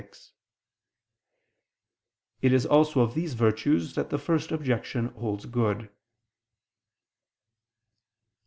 It is also of these virtues that the First Objection holds good.